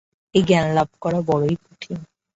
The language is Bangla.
এই জ্ঞানলাভ করা বড়ই কঠিন।